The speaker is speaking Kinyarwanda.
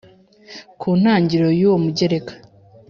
Ku ntangiriro y uwo mugereka